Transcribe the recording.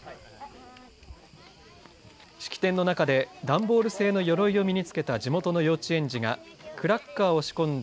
式典の中で段ボール製のよろいを身に着けた地元の幼稚園児がクラッカーを仕込んだ